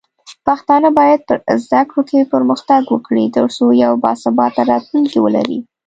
پښتانه بايد په زده کړو کې پرمختګ وکړي، ترڅو یو باثباته راتلونکی ولري.